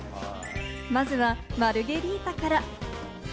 まずはマルゲリータから。